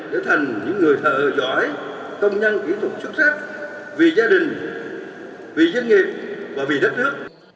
để thành những người thợ giỏi công nhân kỹ thuật xuất sắc vì gia đình vì doanh nghiệp và vì đất nước